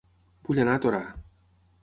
Vull anar a Torà